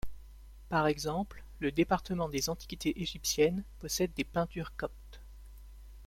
Par exemple, le département des Antiquités égyptiennes possède des peintures coptes.